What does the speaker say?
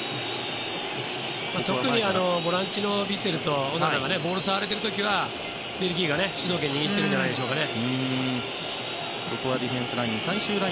特にボランチのビツェルとオナナがボールを触れている時はベルギーが主導権を握っているんじゃないでしょうかね。